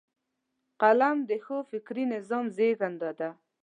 قلم د ښو فکري نظام زیږنده ده